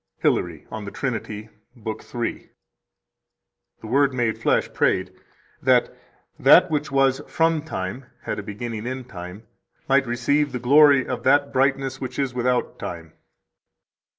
105 HILARY, On the Trinity, lib. 3 (p. 28): "The Word made flesh prayed that that which was from time [had a beginning in time] might receive the glory of that brightness which is without time."